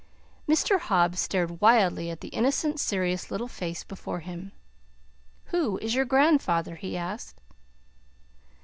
Mr. Hobbs stared wildly at the innocent, serious little face before him. "Who is your grandfather?" he asked.